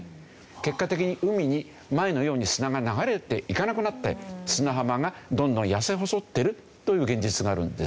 結果的に海に前のように砂が流れていかなくなって砂浜がどんどん痩せ細ってるという現実があるんですよね。